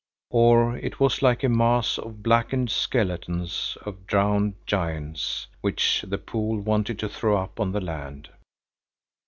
Or it was like a mass of blackened skeletons of drowned giants which the pool wanted to throw up on the land.